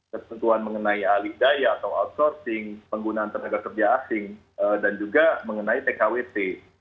ketentuan mengenai alih daya atau outsourcing penggunaan tenaga kerja asing dan juga mengenai tkwt